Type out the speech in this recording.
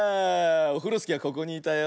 オフロスキーはここにいたよ。